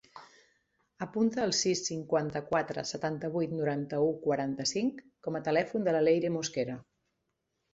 Apunta el sis, cinquanta-quatre, setanta-vuit, noranta-u, quaranta-cinc com a telèfon de la Leyre Mosquera.